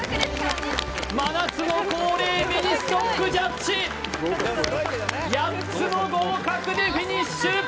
真夏の恒例ミニストップジャッジ８つの合格でフィニッシュ！